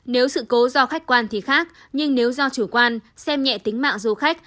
nếu sự cố do khách quan thì khác nhưng nếu do chủ quan xem nhẹ tính mạng du khách